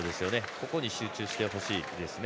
ここに集中してほしいですね。